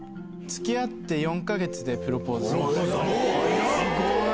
つきあって４か月でプロポーすごい。